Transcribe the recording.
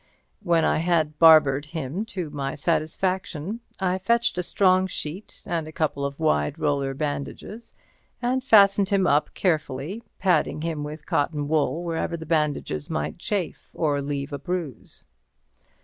When I had him barbered to my satisfaction, I fetched a strong sheet and a couple of wide roller bandages, and fastened him up carefully, padding him with cotton wool wherever the bandages might chafe or leave a bruise.